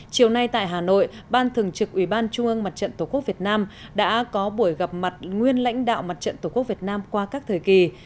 chiều nay tại hà nội ban thường trực ubndtqvn đã có buổi gặp mặt nguyên lãnh đạo mặt trận tổ quốc việt nam qua các thời kỳ